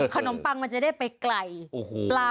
จะทำอะไรและจะแคร์อะไรเพื่อ